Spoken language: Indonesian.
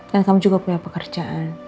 kan kamu juga punya pekerjaan